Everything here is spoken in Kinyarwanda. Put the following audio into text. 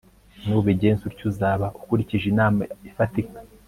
nubigenza utyo uzaba ukurikije inama ifatika